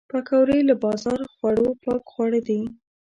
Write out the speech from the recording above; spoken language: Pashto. پکورې له بازار خوړو پاک خواړه دي